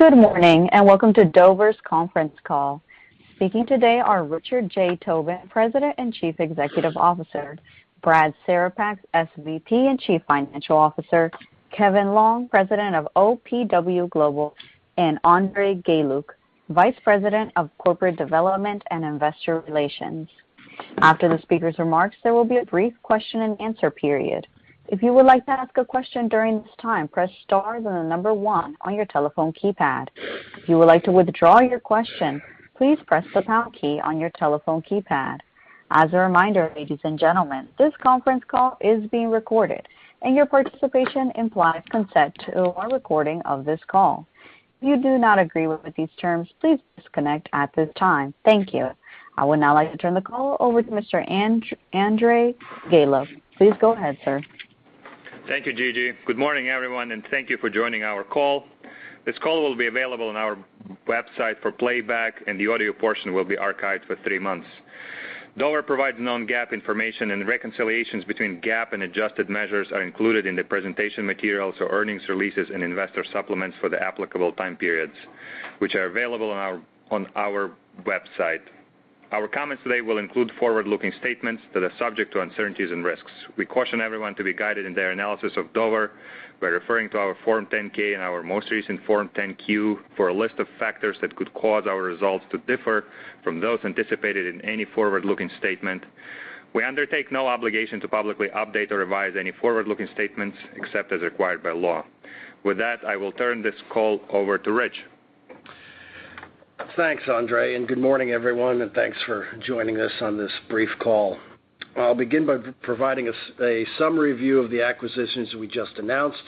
Good morning, and welcome to Dover's conference call. Speaking today are Richard J. Tobin, President and Chief Executive Officer, Brad Cerepak, SVP and Chief Financial Officer, Kevin Long, President of OPW Global, and Andrey Galiuk, Vice President of Corporate Development and Investor Relations. After the speakers' remarks, there will be a brief question-and-answer period. If you would like to ask a question during this time, press star then the number one on your telephone keypad. If you would like to withdraw your question, please press the pound key on your telephone keypad. As a reminder, ladies and gentlemen, this conference call is being recorded, and your participation implies consent to a recording of this call. If you do not agree with these terms, please disconnect at this time. Thank you. I would now like to turn the call over to Mr. Andrey Galiuk. Please go ahead, sir. Thank you, Gigi. Good morning, everyone, and thank you for joining our call. This call will be available on our website for playback, and the audio portion will be archived for three months. Dover provides non-GAAP information and reconciliations between GAAP and adjusted measures are included in the presentation materials or earnings releases and investor supplements for the applicable time periods, which are available on our website. Our comments today will include forward-looking statements that are subject to uncertainties and risks. We caution everyone to be guided in their analysis of Dover by referring to our Form 10-K and our most recent Form 10-Q for a list of factors that could cause our results to differ from those anticipated in any forward-looking statement. We undertake no obligation to publicly update or revise any forward-looking statements except as required by law. With that, I will turn this call over to Rich. Thanks, Andrey, and good morning, everyone, and thanks for joining us on this brief call. I'll begin by providing a summary view of the acquisitions we just announced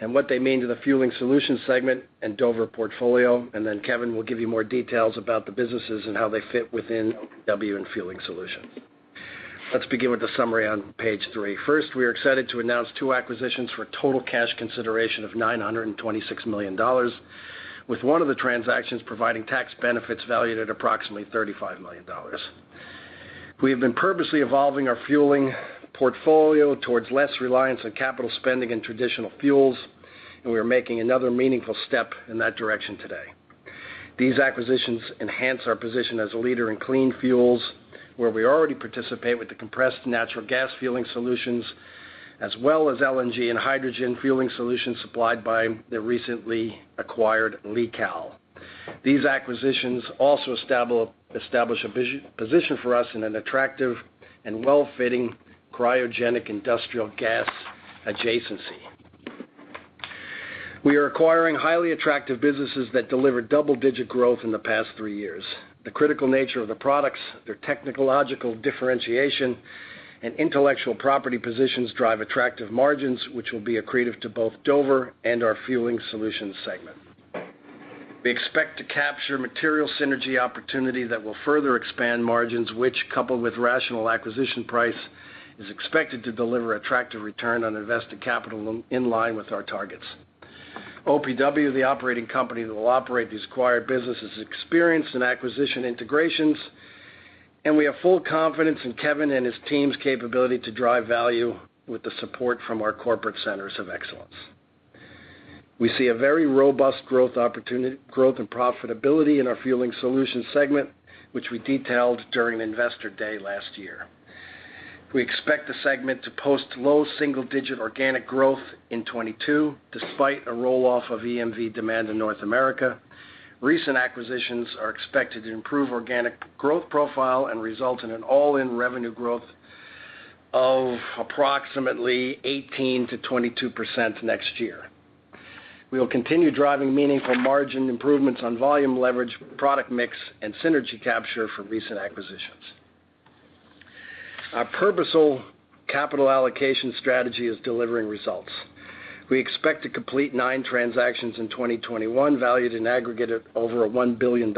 and what they mean to the Fueling Solutions segment and Dover portfolio, and then Kevin will give you more details about the businesses and how they fit within OPW and Fueling Solutions. Let's begin with the summary on page three. First, we are excited to announce two acquisitions for total cash consideration of $926 million, with one of the transactions providing tax benefits valued at approximately $35 million. We have been purposely evolving our fueling portfolio towards less reliance on capital spending and traditional fuels, and we are making another meaningful step in that direction today. These acquisitions enhance our position as a leader in clean fuels, where we already participate with the compressed natural gas fueling solutions, as well as LNG and hydrogen fueling solutions supplied by the recently acquired LIQAL. These acquisitions also establish a position for us in an attractive and well-fitting cryogenic industrial gas adjacency. We are acquiring highly attractive businesses that delivered double-digit growth in the past three years. The critical nature of the products, their technological differentiation and intellectual property positions drive attractive margins, which will be accretive to both Dover and our Fueling Solutions segment. We expect to capture material synergy opportunity that will further expand margins, which, coupled with rational acquisition price, is expected to deliver attractive return on invested capital in line with our targets. OPW, the operating company that will operate these acquired businesses, experienced in acquisition integrations, and we have full confidence in Kevin and his team's capability to drive value with the support from our corporate centers of excellence. We see a very robust growth opportunity, growth and profitability in our Fueling Solutions segment, which we detailed during Investor Day last year. We expect the segment to post low single-digit organic growth in 2022 despite a roll-off of EMV demand in North America. Recent acquisitions are expected to improve organic growth profile and result in an all-in revenue growth of approximately 18%-22% next year. We will continue driving meaningful margin improvements on volume leverage, product mix, and synergy capture from recent acquisitions. Our purposeful capital allocation strategy is delivering results. We expect to complete nine transactions in 2021, valued in aggregate at over $1 billion,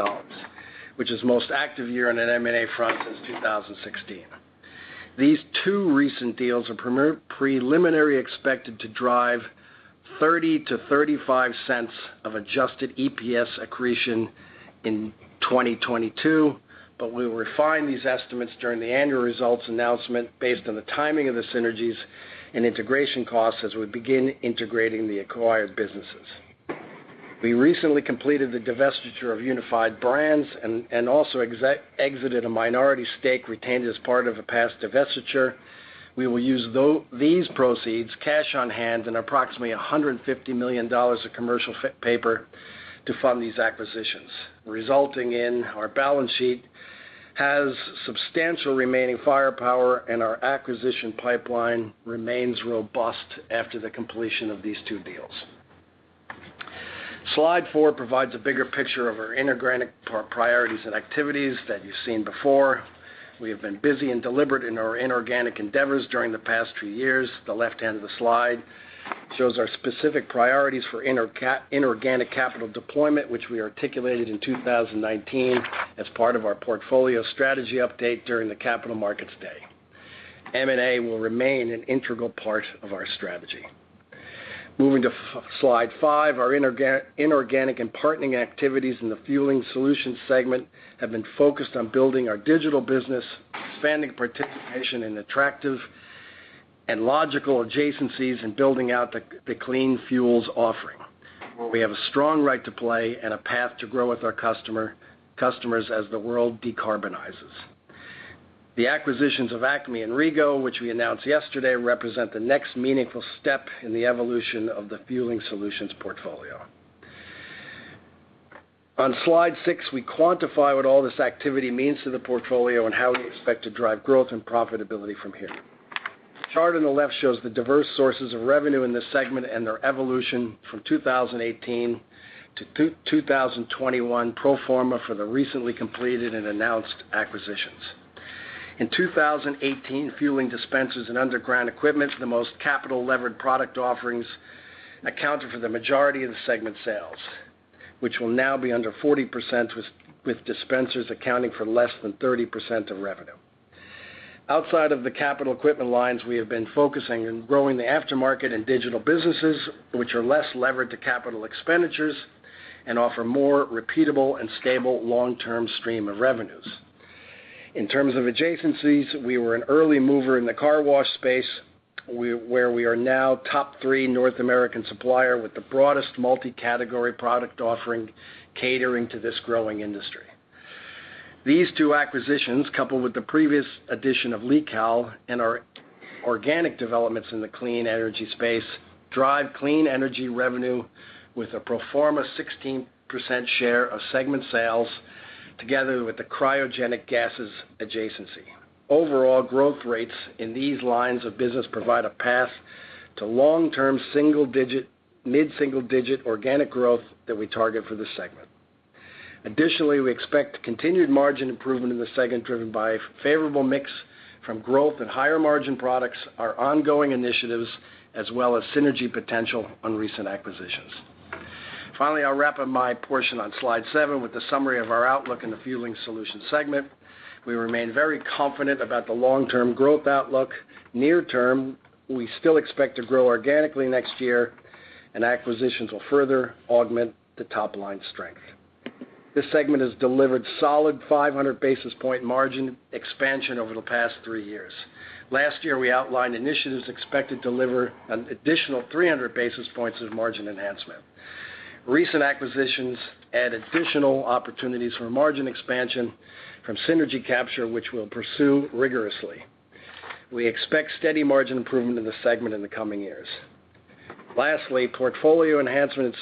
which is the most active year on an M&A front since 2016. These two recent deals are preliminary expected to drive 30-35 cents of adjusted EPS accretion in 2022, but we'll refine these estimates during the annual results announcement based on the timing of the synergies and integration costs as we begin integrating the acquired businesses. We recently completed the divestiture of Unified Brands and also exited a minority stake retained as part of a past divestiture. We will use these proceeds, cash on hand, and approximately $150 million of commercial paper to fund these acquisitions, resulting in our balance sheet has substantial remaining firepower, and our acquisition pipeline remains robust after the completion of these two deals. Slide four provides a bigger picture of our inorganic priorities and activities that you've seen before. We have been busy and deliberate in our inorganic endeavors during the past three years. The left hand of the slide shows our specific priorities for inorganic capital deployment, which we articulated in 2019 as part of our portfolio strategy update during the Capital Markets Day. M&A will remain an integral part of our strategy. Moving to slide five, our inorganic and partnering activities in the Fueling Solutions segment have been focused on building our digital business, expanding participation in attractive and logical adjacencies in building out the clean fuels offering, where we have a strong right to play and a path to grow with our customers as the world decarbonizes. The acquisitions of Acme and RegO, which we announced yesterday, represent the next meaningful step in the evolution of the Fueling Solutions portfolio. On slide six, we quantify what all this activity means to the portfolio and how we expect to drive growth and profitability from here. Chart on the left shows the diverse sources of revenue in this segment and their evolution from 2018 to 2021 pro forma for the recently completed and announced acquisitions. In 2018, fueling dispensers and underground equipment is the most capital-levered product offerings accounted for the majority of the segment sales, which will now be under 40% with dispensers accounting for less than 30% of revenue. Outside of the capital equipment lines, we have been focusing on growing the aftermarket and digital businesses, which are less levered to capital expenditures and offer more repeatable and stable long-term stream of revenues. In terms of adjacencies, we were an early mover in the car wash space, where we are now top three North American supplier with the broadest multi-category product offering catering to this growing industry. These two acquisitions, coupled with the previous addition of LIQAL and our organic developments in the clean energy space, drive clean energy revenue with a pro forma 16% share of segment sales together with the cryogenic gases adjacency. Overall, growth rates in these lines of business provide a path to long-term mid-single-digit organic growth that we target for this segment. Additionally, we expect continued margin improvement in the segment driven by favorable mix from growth and higher margin products, our ongoing initiatives, as well as synergy potential on recent acquisitions. Finally, I'll wrap up my portion on slide seven with the summary of our outlook in the Fueling Solutions segment. We remain very confident about the long-term growth outlook. Near term, we still expect to grow organically next year, and acquisitions will further augment the top-line strength. This segment has delivered solid 500 basis point margin expansion over the past three years. Last year, we outlined initiatives expected to deliver an additional 300 basis points of margin enhancement. Recent acquisitions add additional opportunities for margin expansion from synergy capture, which we'll pursue rigorously. We expect steady margin improvement in the segment in the coming years. Lastly, portfolio enhancement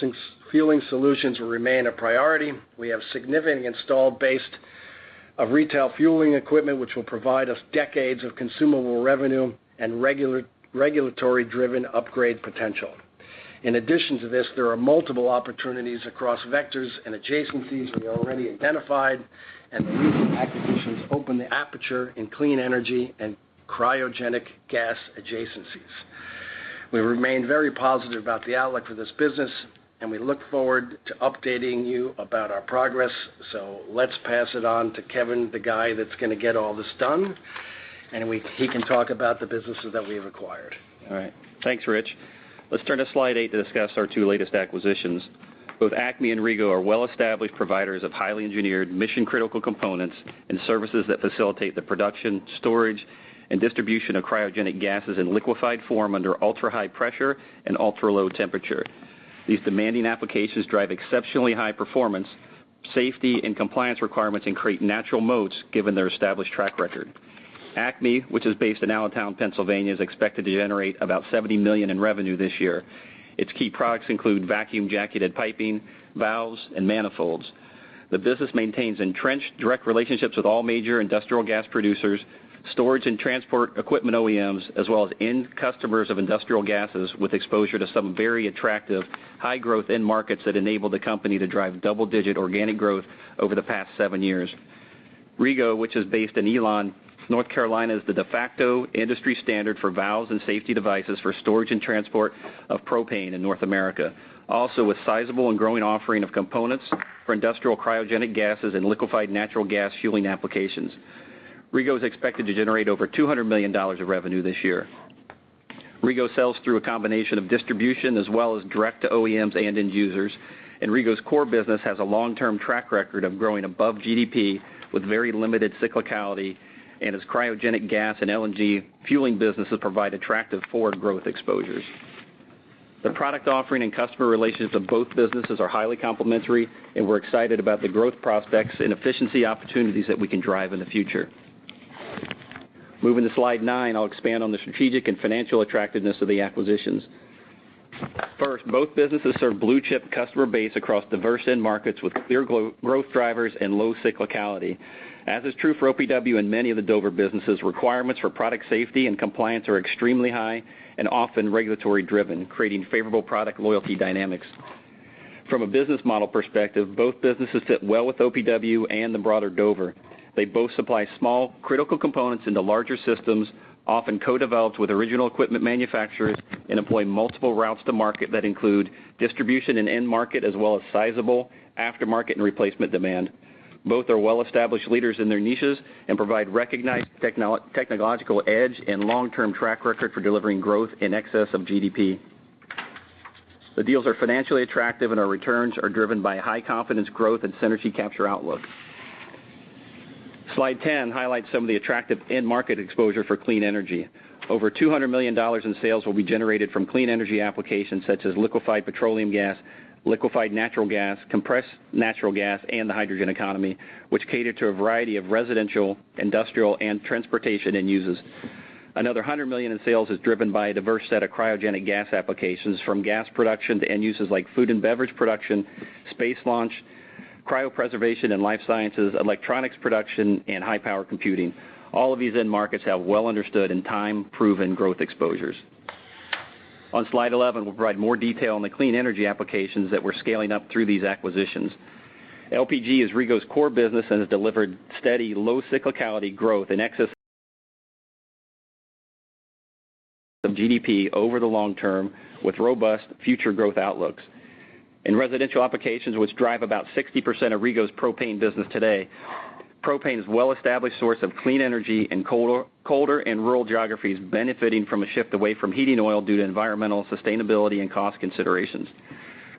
in Fueling Solutions will remain a priority. We have significant installed base of retail fueling equipment which will provide us decades of consumable revenue and regulatory driven upgrade potential. In addition to this, there are multiple opportunities across vectors and adjacencies we already identified, and the recent acquisitions open the aperture in clean energy and cryogenic gas adjacencies. We remain very positive about the outlook for this business, and we look forward to updating you about our progress. Let's pass it on to Kevin, the guy that's gonna get all this done, he can talk about the businesses that we acquired. All right. Thanks, Rich. Let's turn to slide eight to discuss our two latest acquisitions. Both Acme and RegO are well-established providers of highly engineered mission-critical components and services that facilitate the production, storage, and distribution of cryogenic gases in liquefied form under ultrahigh pressure and ultra-low temperature. These demanding applications drive exceptionally high performance, safety, and compliance requirements and create natural moats given their established track record. Acme, which is based in Allentown, Pennsylvania, is expected to generate about $70 million in revenue this year. Its key products include vacuum-jacketed piping, valves, and manifolds. The business maintains entrenched direct relationships with all major industrial gas producers, storage and transport equipment OEMs, as well as end customers of industrial gases with exposure to some very attractive high-growth end markets that enable the company to drive double-digit organic growth over the past seven years. RegO, which is based in Elon, North Carolina, is the de facto industry standard for valves and safety devices for storage and transport of propane in North America, also with sizable and growing offering of components for industrial cryogenic gases and liquefied natural gas fueling applications. RegO is expected to generate over $200 million of revenue this year. RegO sells through a combination of distribution as well as direct to OEMs and end users, and RegO's core business has a long-term track record of growing above GDP with very limited cyclicality, and its cryogenic gas and LNG fueling businesses provide attractive forward growth exposures. The product offering and customer relations of both businesses are highly complementary, and we're excited about the growth prospects and efficiency opportunities that we can drive in the future. Moving to slide nine, I'll expand on the strategic and financial attractiveness of the acquisitions. First, both businesses serve blue-chip customer base across diverse end markets with clear growth drivers and low cyclicality. As is true for OPW and many of the Dover businesses, requirements for product safety and compliance are extremely high and often regulatory driven, creating favorable product loyalty dynamics. From a business model perspective, both businesses fit well with OPW and the broader Dover. They both supply small critical components into larger systems, often co-developed with original equipment manufacturers and employ multiple routes to market that include distribution and end market, as well as sizable aftermarket and replacement demand. Both are well-established leaders in their niches and provide recognized technological edge and long-term track record for delivering growth in excess of GDP. The deals are financially attractive, and our returns are driven by high confidence growth and synergy capture outlook. Slide 10 highlights some of the attractive end market exposure for clean energy. Over $200 million in sales will be generated from clean energy applications such as liquefied petroleum gas, liquefied natural gas, compressed natural gas, and the hydrogen economy, which cater to a variety of residential, industrial, and transportation end uses. Another $100 million in sales is driven by a diverse set of cryogenic gas applications from gas production to end uses like food and beverage production, space launch, cryopreservation and life sciences, electronics production, and high-power computing. All of these end markets have well understood and time-proven growth exposures. On slide 11, we'll provide more detail on the clean energy applications that we're scaling up through these acquisitions. LPG is RegO's core business and has delivered steady, low cyclicality growth in excess of GDP over the long term with robust future growth outlooks. In residential applications, which drive about 60% of RegO's propane business today, propane is a well-established source of clean energy in colder and rural geographies benefiting from a shift away from heating oil due to environmental sustainability and cost considerations.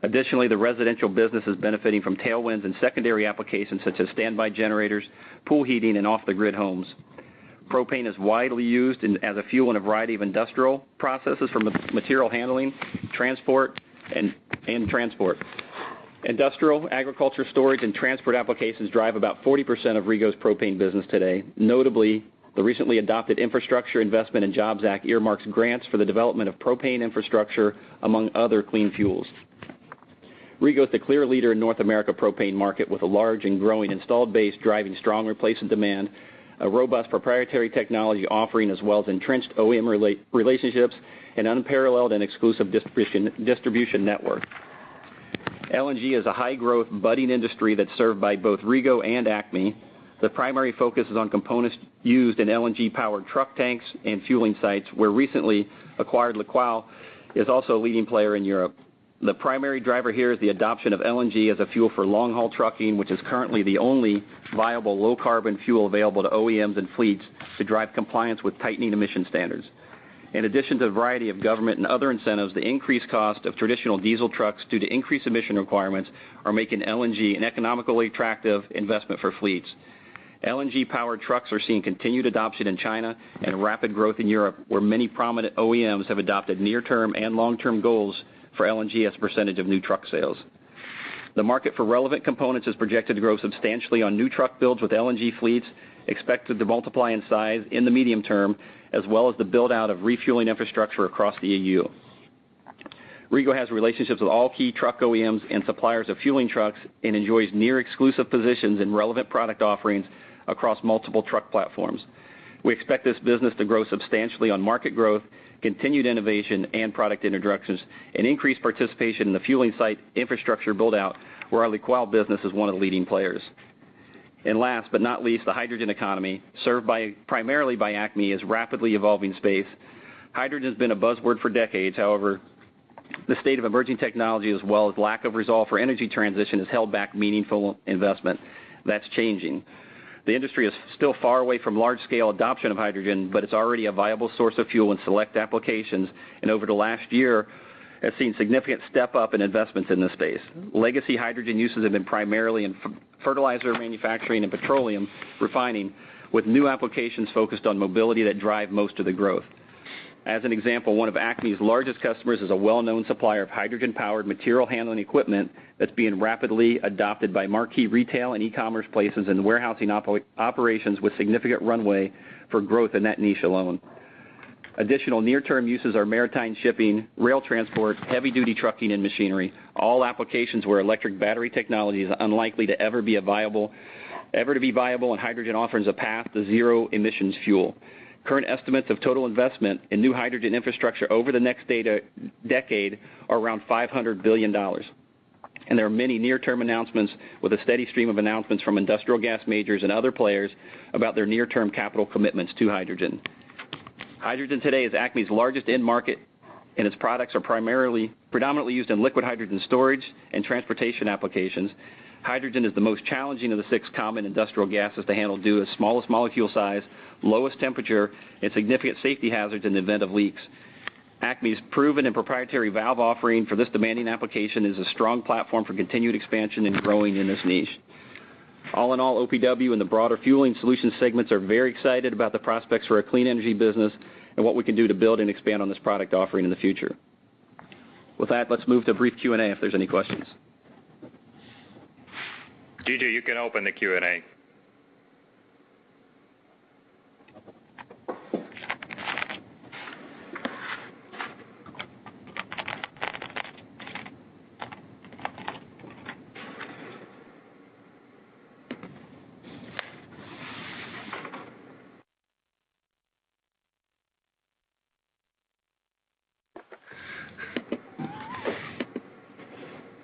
Additionally, the residential business is benefiting from tailwinds in secondary applications such as standby generators, pool heating, and off-the-grid homes. Propane is widely used as a fuel in a variety of industrial processes from material handling, transport, and transport. Industrial, agricultural storage, and transport applications drive about 40% of RegO's propane business today. Notably, the recently adopted Infrastructure Investment and Jobs Act earmarks grants for the development of propane infrastructure among other clean fuels. RegO is the clear leader in North America propane market with a large and growing installed base driving strong replacement demand, a robust proprietary technology offering, as well as entrenched OEM relationships and unparalleled and exclusive distribution network. LNG is a high-growth, budding industry that's served by both RegO and Acme. The primary focus is on components used in LNG-powered truck tanks and fueling sites, where recently acquired LIQAL is also a leading player in Europe. The primary driver here is the adoption of LNG as a fuel for long-haul trucking, which is currently the only viable low-carbon fuel available to OEMs and fleets to drive compliance with tightening emission standards. In addition to the variety of government and other incentives, the increased cost of traditional diesel trucks due to increased emission requirements are making LNG an economically attractive investment for fleets. LNG-powered trucks are seeing continued adoption in China and rapid growth in Europe, where many prominent OEMs have adopted near-term and long-term goals for LNG as a percentage of new truck sales. The market for relevant components is projected to grow substantially on new truck builds, with LNG fleets expected to multiply in size in the medium term, as well as the build-out of refueling infrastructure across the EU. RegO has relationships with all key truck OEMs and suppliers of fueling trucks and enjoys near exclusive positions in relevant product offerings across multiple truck platforms. We expect this business to grow substantially on market growth, continued innovation, and product introductions, and increased participation in the fueling site infrastructure build-out, where our LIQAL business is one of the leading players. Last but not least, the hydrogen economy, served by primarily by Acme, is a rapidly evolving space. Hydrogen has been a buzzword for decades. However, the state of emerging technology as well as lack of resolve for energy transition has held back meaningful investment. That's changing. The industry is still far away from large-scale adoption of hydrogen, but it's already a viable source of fuel in select applications, and over the last year has seen significant step-up in investments in this space. Legacy hydrogen uses have been primarily in fertilizer manufacturing and petroleum refining, with new applications focused on mobility that drive most of the growth. As an example, one of Acme's largest customers is a well-known supplier of hydrogen-powered material handling equipment that's being rapidly adopted by Marquee retail and e-commerce places and warehousing operations with significant runway for growth in that niche alone. Additional near-term uses are maritime shipping, rail transport, heavy-duty trucking, and machinery, all applications where electric battery technology is unlikely to ever be viable, and hydrogen offers a path to zero emissions fuel. Current estimates of total investment in new hydrogen infrastructure over the next decade are around $500 billion. There are many near-term announcements with a steady stream of announcements from industrial gas majors and other players about their near-term capital commitments to hydrogen. Hydrogen today is Acme's largest end market, and its products are predominantly used in liquid hydrogen storage and transportation applications. Hydrogen is the most challenging of the six common industrial gases to handle due to smallest molecule size, lowest temperature, and significant safety hazards in the event of leaks. Acme's proven and proprietary valve offering for this demanding application is a strong platform for continued expansion and growing in this niche. All in all, OPW and the broader Fueling Solution Segments are very excited about the prospects for our clean energy business and what we can do to build and expand on this product offering in the future. With that, let's move to a brief Q&A if there's any questions. Gigi, you can open the Q&A.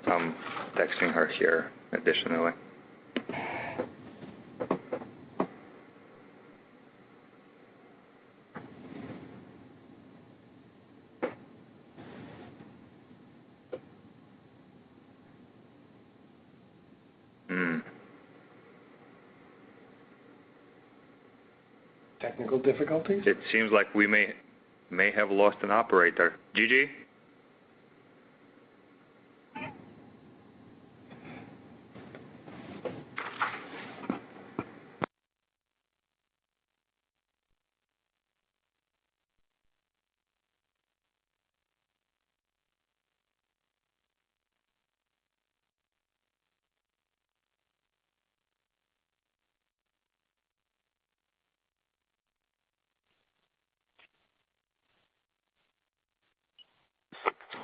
I'm texting her here additionally. Technical difficulties? It seems like we may have lost an operator.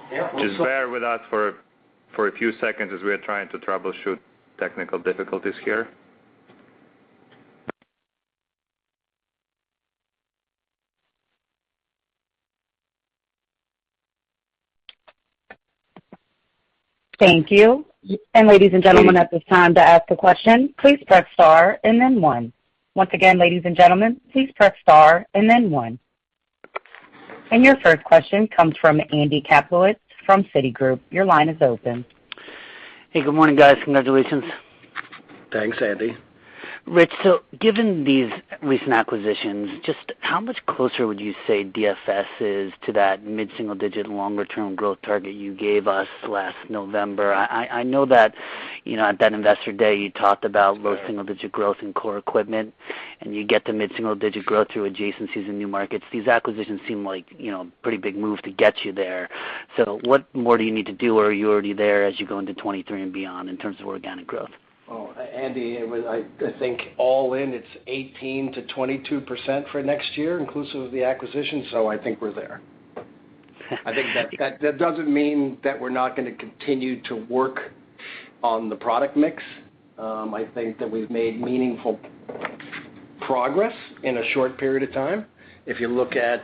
Gigi? Just bear with us for a few seconds as we are trying to troubleshoot technical difficulties here. Thank you. Ladies and gentlemen, at this time to ask a question, please press star and then one. Once again, ladies and gentlemen, please press star and then one. Your first question comes from Andy Kaplowitz from Citigroup. Your line is open. Hey, good morning, guys. Congratulations. Thanks, Andy. Rich, given these recent acquisitions, just how much closer would you say DFS is to that mid-single-digit longer-term growth target you gave us last November? I know that, you know, at that Investor Day, you talked about low single-digit growth in core equipment, and you get the mid-single-digit growth through adjacencies and new markets. These acquisitions seem like, you know, pretty big move to get you there. What more do you need to do, or are you already there as you go into 2023 and beyond in terms of organic growth? Andy, I think all in, it's 18%-22% for next year inclusive of the acquisition. I think we're there. I think that doesn't mean that we're not gonna continue to work on the product mix. I think that we've made meaningful progress in a short period of time. If you look at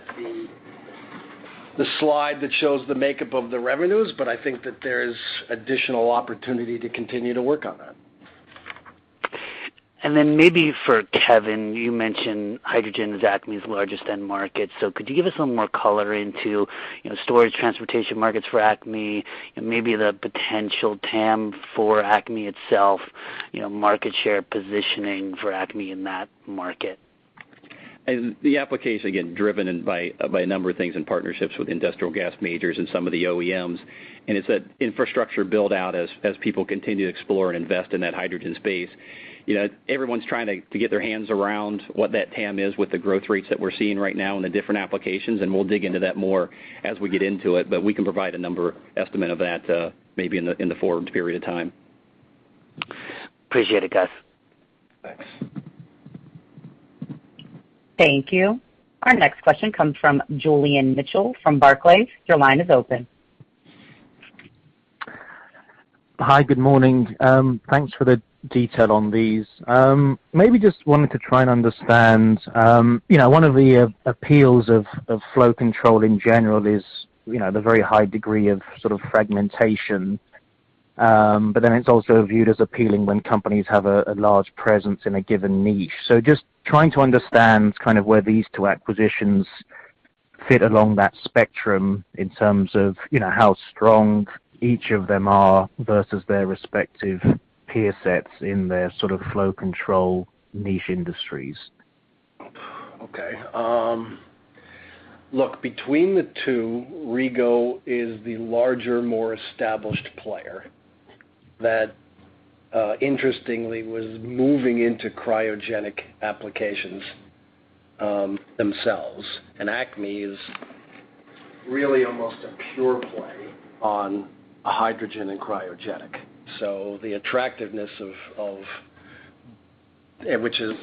the slide that shows the makeup of the revenues, I think that there's additional opportunity to continue to work on that. Maybe for Kevin, you mentioned hydrogen is ACME's largest end market. Could you give us some more color into, you know, storage, transportation markets for ACME and maybe the potential TAM for ACME itself, you know, market share positioning for ACME in that market? The application, again, driven in by a number of things in partnerships with industrial gas majors and some of the OEMs. It's that infrastructure build out as people continue to explore and invest in that hydrogen space. You know, everyone's trying to get their hands around what that TAM is with the growth rates that we're seeing right now in the different applications, and we'll dig into that more as we get into it. We can provide a number estimate of that, maybe in the forward period of time. Appreciate it, guys. Thanks. Thank you. Our next question comes from Julian Mitchell from Barclays. Your line is open. Hi, good morning. Thanks for the detail on these. Maybe just wanted to try and understand, you know, one of the appeals of flow control in general is, you know, the very high degree of sort of fragmentation. But then it's also viewed as appealing when companies have a large presence in a given niche. Just trying to understand kind of where these two acquisitions fit along that spectrum in terms of, you know, how strong each of them are versus their respective peer sets in their sort of flow control niche industries. Okay. Look, between the two, RegO is the larger, more established player that, interestingly, was moving into cryogenic applications themselves. Acme is really almost a pure play on hydrogen and cryogenic. The attractiveness of which is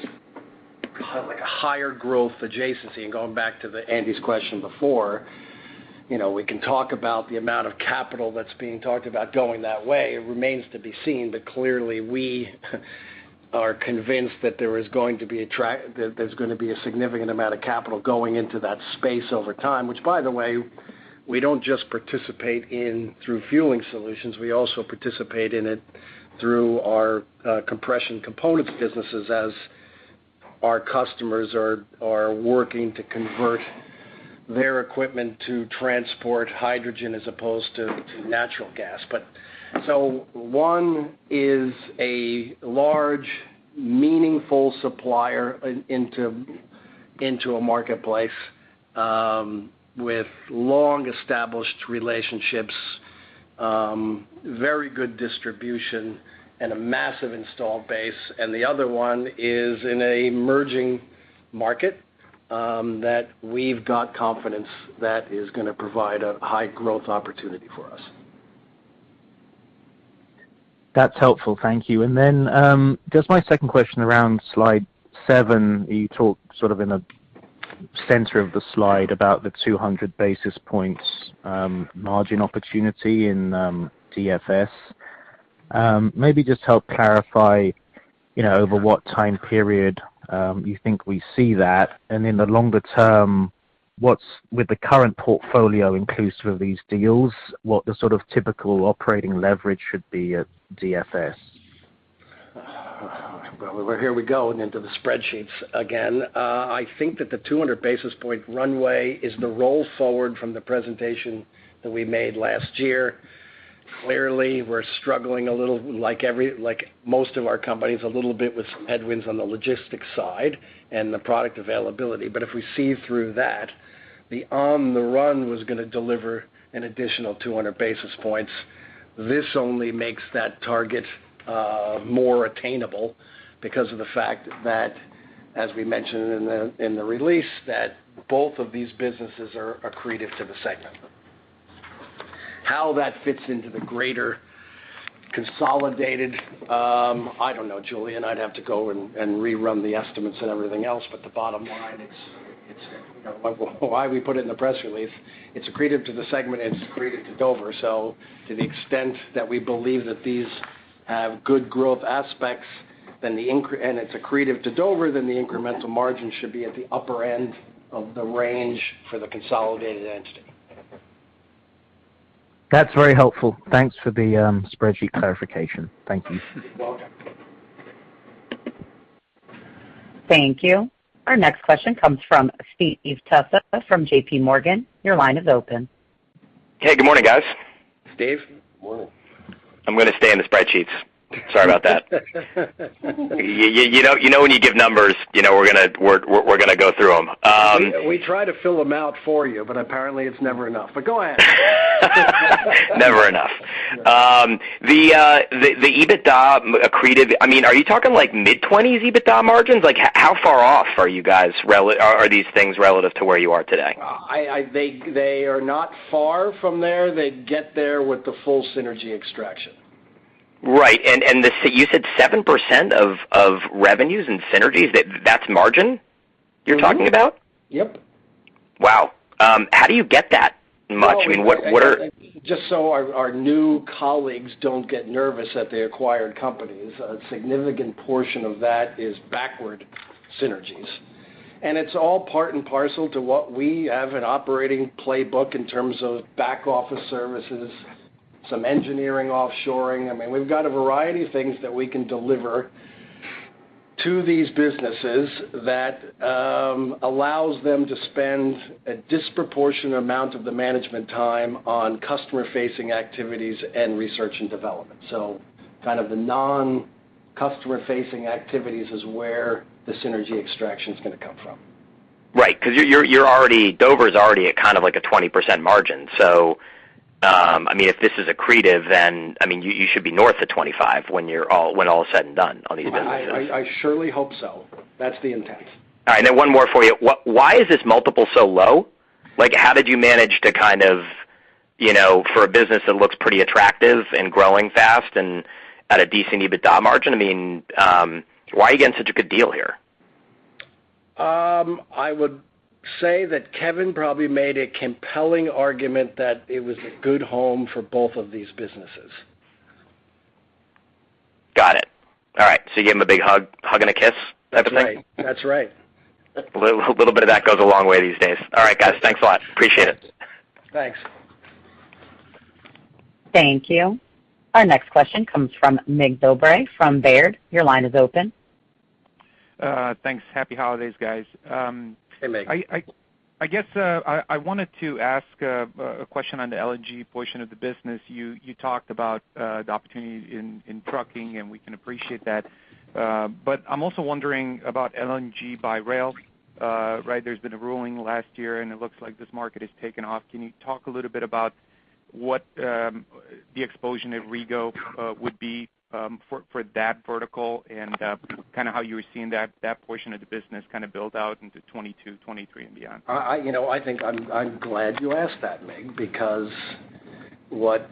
kind of like a higher growth adjacency. Going back to Andy's question before, you know, we can talk about the amount of capital that's being talked about going that way. It remains to be seen, but clearly, we are convinced that there's gonna be a significant amount of capital going into that space over time, which, by the way, we don't just participate in through Fueling Solutions. We also participate in it through our compression components businesses as our customers are working to convert their equipment to transport hydrogen as opposed to natural gas. One is a large, meaningful supplier into a marketplace with long-established relationships, very good distribution and a massive installed base. The other one is in an emerging market that we've got confidence that is gonna provide a high growth opportunity for us. That's helpful. Thank you. Then, just my second question around slide, seven, you talked sort of in the center of the slide about the 200 basis points margin opportunity in DFS. Maybe just help clarify, you know, over what time period you think we see that. In the longer term, what's with the current portfolio inclusive of these deals, what the sort of typical operating leverage should be at DFS? Well, here we go into the spreadsheets again. I think that the 200 basis point runway is the roll forward from the presentation that we made last year. Clearly, we're struggling a little, like most of our companies, a little bit with some headwinds on the logistics side and the product availability. If we see through that, the on the run was gonna deliver an additional 200 basis points. This only makes that target more attainable because of the fact that, as we mentioned in the release, both of these businesses are accretive to the segment. How that fits into the greater consolidated, I don't know, Julian, I'd have to go and rerun the estimates and everything else. The bottom line, it's you know why we put it in the press release, it's accretive to the segment, it's accretive to Dover. To the extent that we believe that these have good growth aspects, the incremental margin should be at the upper end of the range for the consolidated entity. That's very helpful. Thanks for the spreadsheet clarification. Thank you. You're welcome. Thank you. Our next question comes from Steve Tusa from JPMorgan. Your line is open. Hey, good morning, guys. Steve, morning. I'm gonna stay in the spreadsheets. Sorry about that. You know when you give numbers, you know we're gonna go through them. We try to fill them out for you, but apparently it's never enough. Go ahead. Never enough. The EBITDA accretive, I mean, are you talking like mid-20s EBITDA margins? Like, how far off are you guys? Are these things relative to where you are today? They are not far from there. They'd get there with the full synergy extraction. Right. The 7% you said of revenues and synergies, that's margin you're talking about? Yep. Wow. How do you get that much? I mean, what are Just so our new colleagues don't get nervous at the acquired companies, a significant portion of that is backward synergies. It's all part and parcel to what we have an operating playbook in terms of back-office services, some engineering offshoring. I mean, we've got a variety of things that we can deliver to these businesses that, allows them to spend a disproportionate amount of the management time on customer-facing activities and research and development. Kind of the non-customer-facing activities is where the synergy extraction is gonna come from. Right. 'Cause you're already, Dover is already at kind of like a 20% margin. I mean, if this is accretive, then, I mean, you should be north of 25% when all is said and done on these acquisitions. I surely hope so. That's the intent. All right. One more for you. Why is this multiple so low? Like, how did you manage to kind of, you know, for a business that looks pretty attractive and growing fast and at a decent EBITDA margin, I mean, why are you getting such a good deal here? I would say that Kevin probably made a compelling argument that it was a good home for both of these businesses. Got it. All right. So you gave him a big hug and a kiss type of thing? That's right. That's right. A little bit of that goes a long way these days. All right, guys. Thanks a lot. Appreciate it. Thanks. Thank you. Our next question comes from Mig Dobre from Baird. Your line is open. Thanks. Happy holidays, guys. Hey, Mig. I guess I wanted to ask a question on the LNG portion of the business. You talked about the opportunity in trucking, and we can appreciate that. I'm also wondering about LNG by rail, right? There's been a ruling last year, and it looks like this market has taken off. Can you talk a little bit about what the exposure of RegO would be for that vertical and kind of how you were seeing that portion of the business kind of build out into 2022, 2023 and beyond? You know, I think I'm glad you asked that, Mig, because what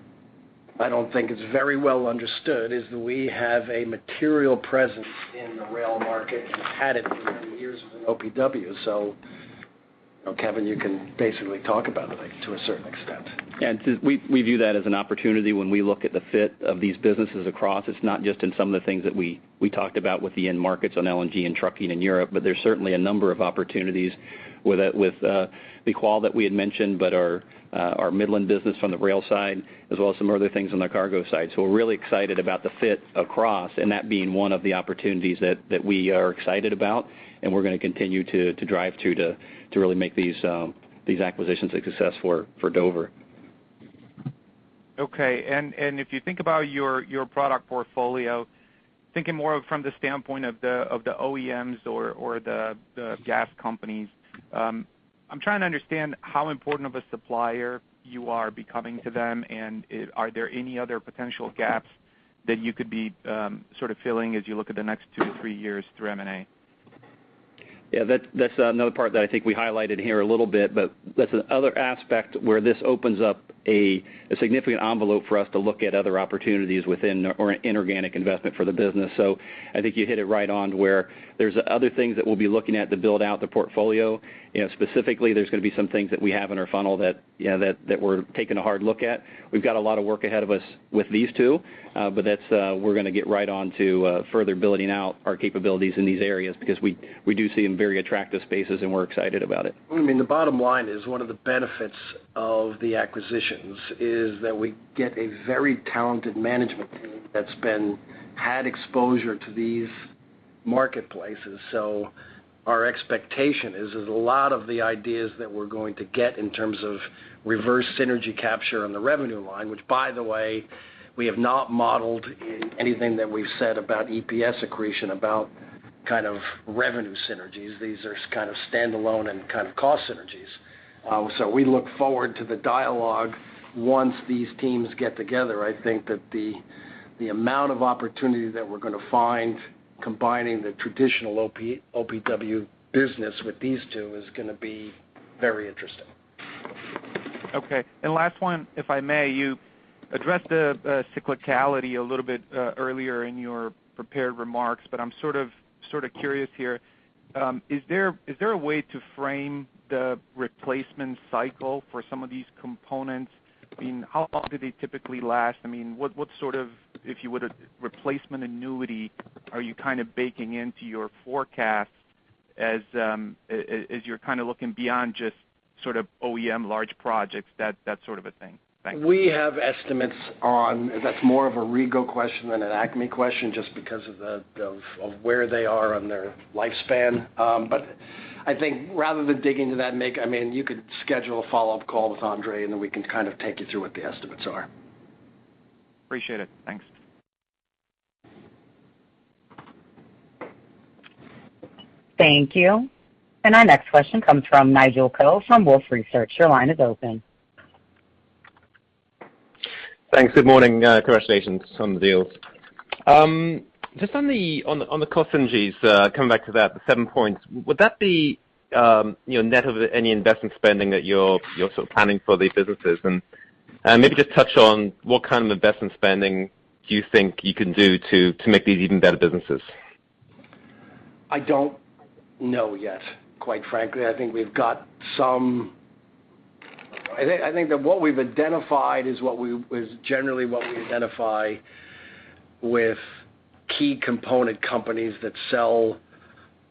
I don't think is very well understood is that we have a material presence in the rail market and had it through many years as an OPW. You know, Kevin, you can basically talk about it, like, to a certain extent. We view that as an opportunity when we look at the fit of these businesses across. It's not just in some of the things that we talked about with the end markets on LNG and trucking in Europe, but there's certainly a number of opportunities with LIQAL that we had mentioned, but our Midland business on the rail side, as well as some other things on the cargo side. We're really excited about the fit across, and that being one of the opportunities that we are excited about and we're gonna continue to drive to really make these acquisitions a success for Dover. If you think about your product portfolio, thinking more from the standpoint of the OEMs or the gas companies, I'm trying to understand how important of a supplier you are becoming to them, and are there any other potential gaps that you could be sort of filling as you look at the next two to three years through M&A? Yeah. That's another part that I think we highlighted here a little bit, but that's another aspect where this opens up a significant envelope for us to look at other opportunities within our inorganic investment for the business. I think you hit it right on where there's other things that we'll be looking at to build out the portfolio. You know, specifically, there's gonna be some things that we have in our funnel that, you know, we're taking a hard look at. We've got a lot of work ahead of us with these two, but we're gonna get right on to further building out our capabilities in these areas because we do see them in very attractive spaces, and we're excited about it. I mean, the bottom line is one of the benefits of the acquisitions is that we get a very talented management team that's had exposure to these marketplaces. Our expectation is a lot of the ideas that we're going to get in terms of reverse synergy capture on the revenue line, which by the way, we have not modeled in anything that we've said about EPS accretion, about kind of revenue synergies. These are kind of standalone and kind of cost synergies. We look forward to the dialogue once these teams get together. I think that the amount of opportunity that we're gonna find combining the traditional OPW business with these two is gonna be very interesting. Okay. Last one, if I may. You addressed the cyclicality a little bit earlier in your prepared remarks, but I'm sort of curious here. Is there a way to frame the replacement cycle for some of these components? I mean, how long do they typically last? I mean, what sort of, if you would, replacement annuity are you kind of baking into your forecast as you're kind of looking beyond just sort of OEM large projects, that sort of a thing? Thanks. That's more of a RegO question than an Acme question, just because of where they are on their lifespan. I think rather than dig into that, Nick, I mean, you could schedule a follow-up call with Andre, and then we can kind of take you through what the estimates are. Appreciate it. Thanks. Thank you. Our next question comes from Nigel Coe from Wolfe Research. Your line is open. Thanks. Good morning. Congratulations on the deals. Just on the cost synergies, coming back to that, the seven points, would that be, you know, net of any investment spending that you're sort of planning for these businesses? Maybe just touch on what kind of investment spending do you think you can do to make these even better businesses? I don't know yet, quite frankly. I think that what we've identified is generally what we identify with key component companies that sell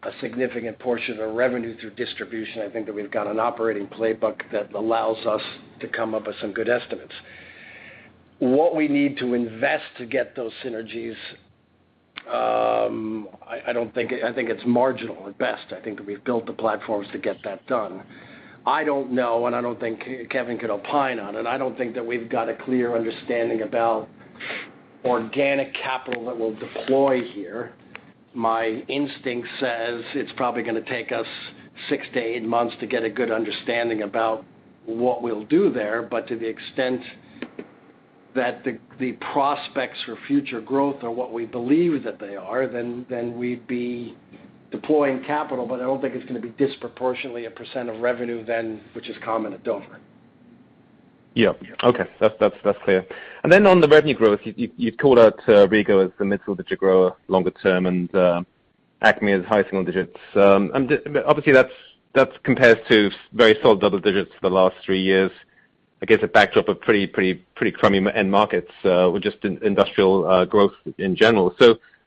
a significant portion of revenue through distribution. I think that we've got an operating playbook that allows us to come up with some good estimates. What we need to invest to get those synergies, I think it's marginal at best. I think that we've built the platforms to get that done. I don't know, and I don't think Kevin could opine on it. I don't think that we've got a clear understanding about organic capital that we'll deploy here. My instinct says it's probably gonna take us six to eight months to get a good understanding about what we'll do there, but to the extent that the prospects for future growth are what we believe that they are, then we'd be deploying capital, but I don't think it's gonna be disproportionately a percent of revenue then, which is common at Dover. Yeah. Okay. That's clear. Then on the revenue growth, you called out RegO as the middle of the grower longer term and Acme as high single digits. But obviously that compares to very solid double digits for the last three years. I guess a backdrop of pretty crummy end markets or just in industrial growth in general.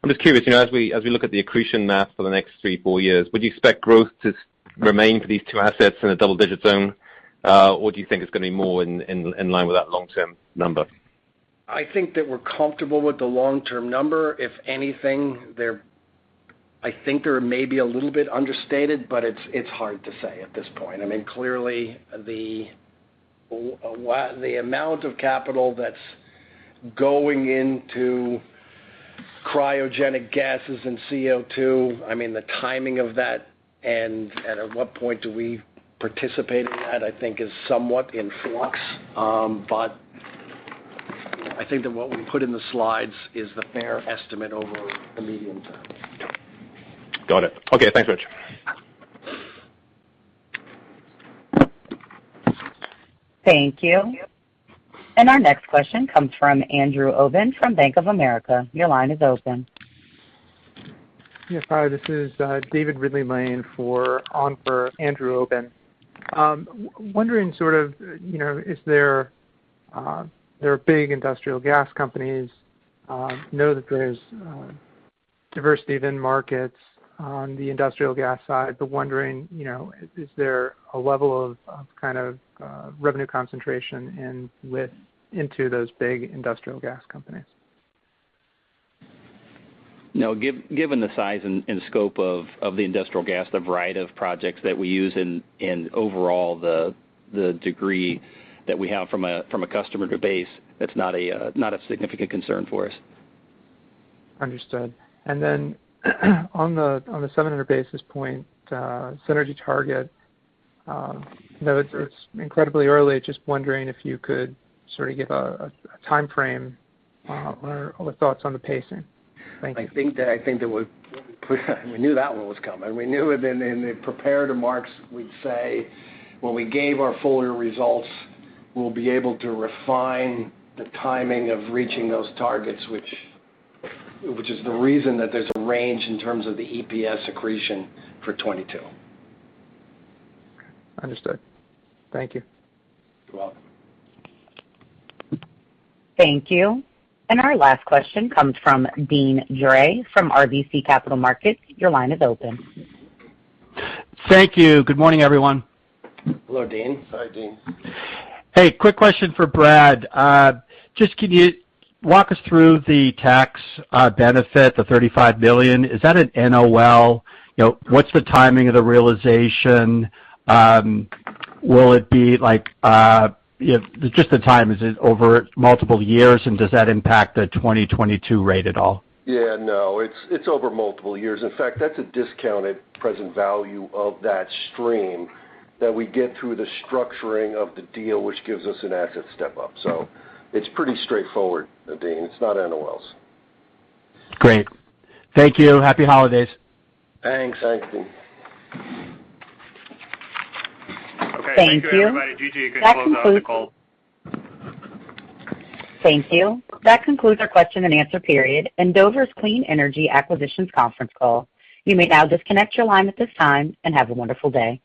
I'm just curious, you know, as we look at the accretion math for the next three to four years, would you expect growth to remain for these two assets in a double-digit zone, or do you think it's gonna be more in line with that long-term number? I think that we're comfortable with the long-term number. If anything, I think they're maybe a little bit understated, but it's hard to say at this point. I mean, clearly the amount of capital that's going into cryogenic gases and CO2, I mean, the timing of that and at what point do we participate in that, I think is somewhat in flux. I think that what we put in the slides is the fair estimate over the medium term. Got it. Okay, thanks, Rich. Thank you. Our next question comes from Andrew Obin from Bank of America. Your line is open. Yes, sorry, this is David Ridley-Lane for Andrew Obin. Wondering sort of, you know, is there. There are big industrial gas companies, you know that there's diversity in markets on the industrial gas side, but wondering, you know, is there a level of kind of revenue concentration into those big industrial gas companies? No. Given the size and scope of the industrial gas, the variety of projects that we use and overall, the degree that we have from a customer base, that's not a significant concern for us. Understood. On the 700 basis points synergy target, you know it's incredibly early. Just wondering if you could sort of give a timeframe or thoughts on the pacing. Thank you. I think that we knew that one was coming. We knew it. In the prepared remarks, we'd say when we gave our full year results, we'll be able to refine the timing of reaching those targets, which is the reason that there's a range in terms of the EPS accretion for 2022. Understood. Thank you. You're welcome. Thank you. Our last question comes from Deane Dray from RBC Capital Markets. Your line is open. Thank you. Good morning, everyone. Hello, Deane. Hi, Deane. Hey, quick question for Brad. Just can you walk us through the tax benefit, the $35 billion? Is that an NOL? You know, what's the timing of the realization? Will it be like just in time, is it over multiple years, and does that impact the 2022 rate at all? Yeah, no. It's over multiple years. In fact, that's a discounted present value of that stream that we get through the structuring of the deal, which gives us an asset step up. It's pretty straightforward, Deane. It's not NOLs. Great. Thank you. Happy holidays. Thanks. Thank you. Thank you. Okay. Thank you, everybody. Gigi, you can close out the call. Thank you. That concludes our question and answer period and Dover's Clean Energy Acquisitions conference call. You may now disconnect your line at this time and have a wonderful day.